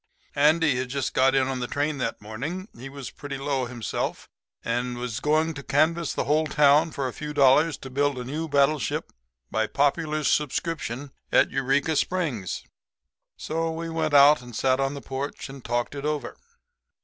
Andy had just got in on the train that morning. He was pretty low himself, and was going to canvass the whole town for a few dollars to build a new battleship by popular subscription at Eureka Springs. So we went out and sat on the porch and talked it over.